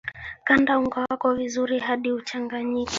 kanda unga wako vizuri hadi uchanganyike